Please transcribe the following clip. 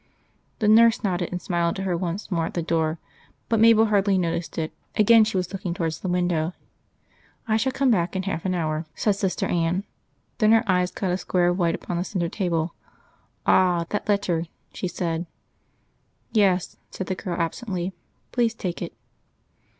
The nurse nodded and smiled to her once more at the door. But Mabel hardly noticed it; again she was looking towards the window. "I shall come back in half an hour," said Sister Anne. Then her eyes caught a square of white upon the centre table. "Ah! that letter!" she said. "Yes," said the girl absently. "Please take it."